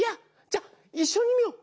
じゃあいっしょに見よう！